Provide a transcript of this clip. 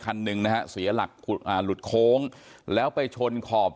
คันหนึ่งนะฮะเสียหลักอ่าหลุดโค้งแล้วไปชนขอบ